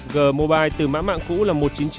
g mobile từ mã mạng cũ là một trăm chín mươi chín